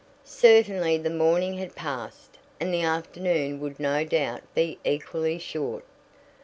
Certainly the morning had passed and the afternoon would no doubt be equally short.